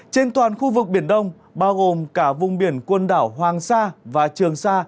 trên toàn khu vực biển đông bao gồm cả vùng biển quần đảo hoàng sa và trường sa